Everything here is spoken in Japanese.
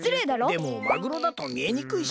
でもマグロだとみえにくいし。